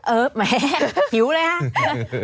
เออแหมหิวเลยฮะ